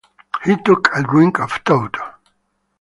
He took a drink of stout.